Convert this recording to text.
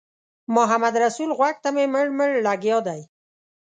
محمدرسول غوږ ته مې مړ مړ لګیا دی.